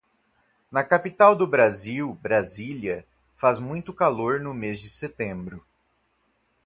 Na capital do Brasil, Brasília, faz muito calor no mês de setembro.